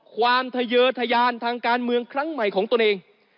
ความทะเยอทยานทางการเมืองครั้งใหม่ของตนเอง